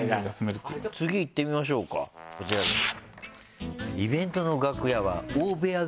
次いってみましょうかこちらです。